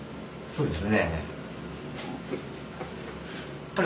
そうです。